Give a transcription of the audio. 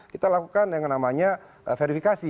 kita lakukan yang namanya verifikasi